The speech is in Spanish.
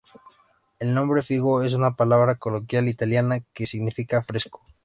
El nombre "Figo" es una palabra coloquial italiana que significa "fresco".